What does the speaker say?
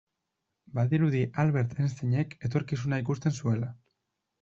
Badirudi Albert Einsteinek etorkizuna ikusten zuela.